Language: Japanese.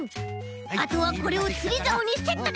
あとはこれをつりざおにセットだ！